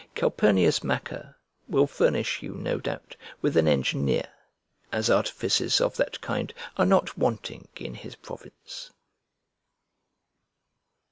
Calpurnius Macer will furnish you, no doubt, with an engineer, as artificers of that kind are not wanting in his province.